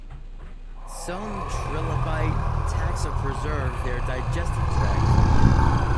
Some trilobite taxa preserve their digestive tracts.